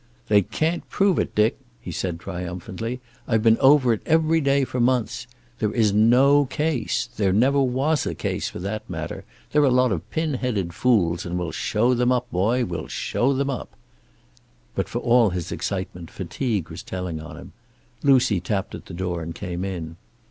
"They can't prove it, Dick," he said triumphantly. "I've been over it every day for months. There is no case. There never was a case, for that matter. They're a lot of pin headed fools, and we'll show them up, boy. We'll show them up." But for all his excitement fatigue was telling on him. Lucy tapped at the door and came in.